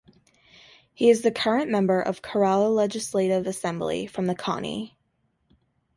He is the current member of Kerala Legislative Assembly from the Konni.